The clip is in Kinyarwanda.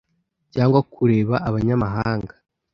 cyangwa kureba abanyamahanga